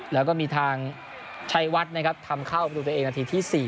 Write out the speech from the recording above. แล้วก็มีทางชัยวัดนะครับทำเข้าประตูตัวเองนาทีที่๔